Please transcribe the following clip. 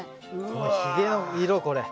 このひげの色これ。